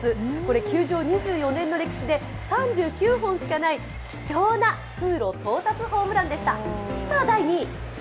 球場２４年の歴史で３９本しかない、貴重な通路到達ホームランでした。